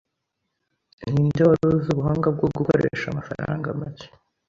Ninde wari uzi ubuhanga bwo gukoresha amafaranga make